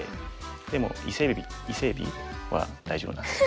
でも伊勢えび伊勢えびは大丈夫なんです。